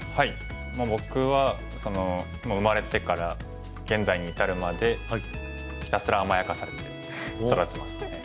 僕は生まれてから現在に至るまでひたすら甘やかされて育ちましたね。